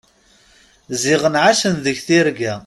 Ziɣen ɛaceɣ deg tirga.